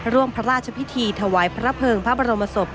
ร่วมพระราชพิธีถวายพระเภิงพระบรมศพ